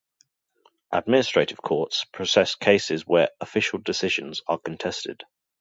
Administrative courts process cases where official decisions are contested.